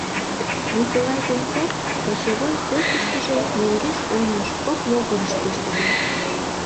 Николай Пеньков кошевой пӧртыштыжӧ мӧҥгеш-оньыш кок могырыш коштеда.